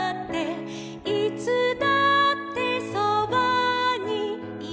「いつだってそばにいるよ」